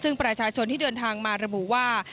ซึ่งประชาชนที่เดินทางมาระบุว่า